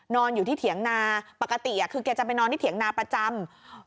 นอนอยู่ที่เถียงนาปกติคือแกจะไปนอนที่เถียงนาประจำ